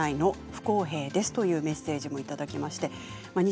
不公平ですというメッセージをいただきました。